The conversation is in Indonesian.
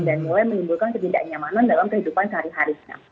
dan mulai menimbulkan kejendak nyamanan dalam kehidupan sehari harinya